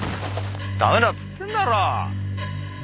駄目だって言ってるだろ。